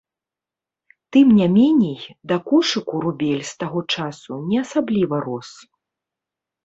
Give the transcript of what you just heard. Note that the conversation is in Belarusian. Тым не меней, да кошыку рубель з таго часу не асабліва рос.